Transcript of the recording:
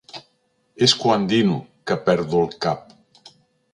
És quan dino que perdo el cap.